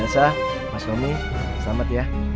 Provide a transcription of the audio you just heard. elsa pak tommy selamat ya